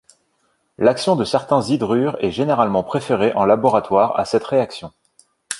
L'action de certains hydrures est généralement préférée en laboratoire à cette réaction.